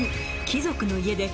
貴族の家で